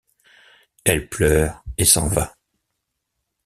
Elle pleure, et s’en va.